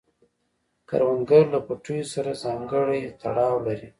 کروندګر له پټیو سره ځانګړی تړاو لري